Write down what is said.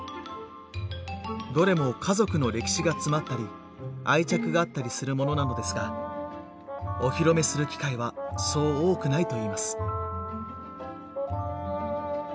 どれも家族の歴史が詰まったり愛着があったりするものなのですがお披露目する機会はそう多くないといいます。